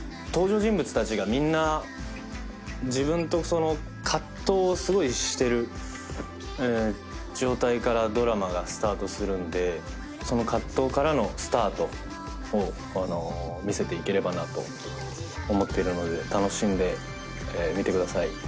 登場人物達がみんな自分と葛藤をすごいしてる状態からドラマがスタートするんでその葛藤からのスタートを見せていければなと思っているので楽しんで見てください